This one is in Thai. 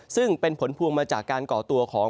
ซึ่งเป็นผลพวงมาจากการก่อตัวของ